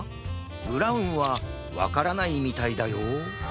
ブラウンはわからないみたいだよ